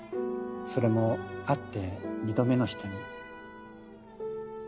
それも会って２度目の人に。